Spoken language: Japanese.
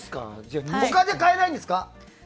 他では買えないんですか？